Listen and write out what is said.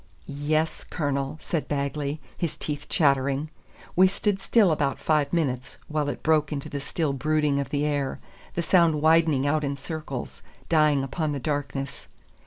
"Y es, Colonel," said Bagley, his teeth chattering. We stood still about five minutes, while it broke into the still brooding of the air, the sound widening out in circles, dying upon the darkness.